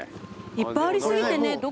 いっぱいあり過ぎてねどこ行く？